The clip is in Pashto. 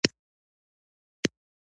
په ناول او لنډه کیسه کې یې ډېر شهرت درلود.